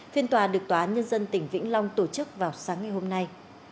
phiên tòa được tòa án nhân dân tỉnh vĩnh long tổ chức vào sáng ngày hôm nay